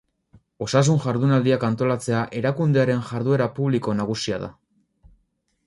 Osasun jardunaldiak antolatzea erakundearen jarduera publiko nagusia da.